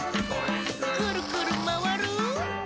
「くるくるまわる！」